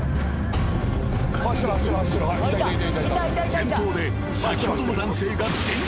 ［前方で先ほどの男性が］